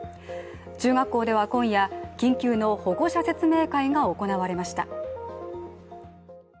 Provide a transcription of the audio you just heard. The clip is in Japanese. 中学校では今夜緊急の保護者説明会が開かれました。